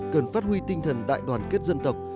cần phát huy tinh thần đại đoàn kết dân tộc